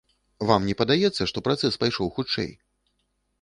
Вам не падаецца, што працэс пайшоў хутчэй?